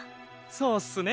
そうっすね。